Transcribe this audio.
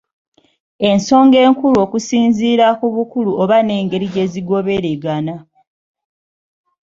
Ensonga enkulu okusinziira ku bukulu oba n'engeri gye zigoberegana.